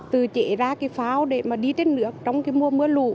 từ chế ra cái phao để mà đi trên nước trong cái mưa lũ